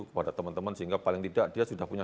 kepada teman teman sehingga paling tidak dia sudah punya